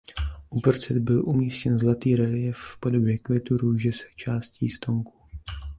Uprostřed byl umístěn zlatý reliéf v podobě květu růže s částí stonku.